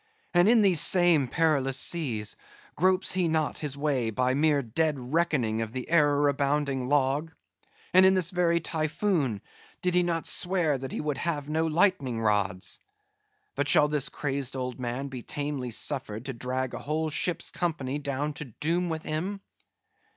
and in these same perilous seas, gropes he not his way by mere dead reckoning of the error abounding log? and in this very Typhoon, did he not swear that he would have no lightning rods? But shall this crazed old man be tamely suffered to drag a whole ship's company down to doom with him?